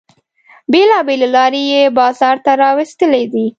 بیلابیلې لارې یې بازار ته را ویستلې دي.